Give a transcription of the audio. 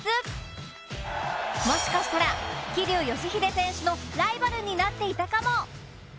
もしかしたら桐生祥秀選手のライバルになっていたかも！？